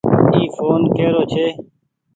اي ڦون ڪيرو ڇي۔